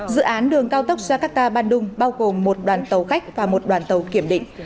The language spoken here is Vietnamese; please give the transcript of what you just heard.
dự án đường cao tốc jakarta bandung bao gồm một đoàn tàu khách và một đoàn tàu kiểm định